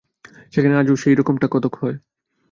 সেখানে আজও সেই রকমটা কতক হয়।